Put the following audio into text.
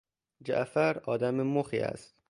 جعفر آدم مخی است